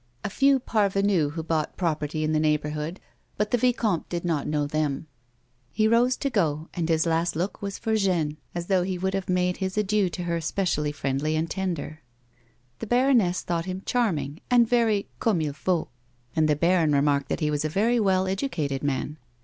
A few parvenus had bought property in the neighbourhood, but the vicomte did not know them. 32 A WOMAN'S LIFE. He rose to go, and his last look was for Jeanne as though he would have made his adieu to her specially friendly and tender. The baroness thought him charming and very comme il faut, and the baron remarked that he was a very well educated man.